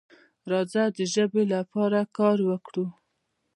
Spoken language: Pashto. راځه د ژبې لپاره کار وکړو.